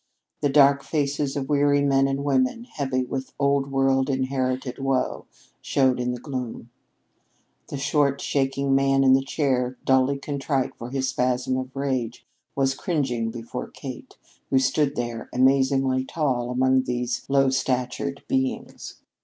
The dark faces of weary men and women, heavy with Old World, inherited woe, showed in the gloom. The short, shaking man on the chair, dully contrite for his spasm of rage, was cringing before Kate, who stood there, amazingly tall among these low statured beings.